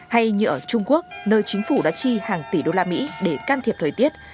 hay như ở trung quốc nơi chính phủ đã chi hàng tỷ đô la mỹ để can thiệp thời tiết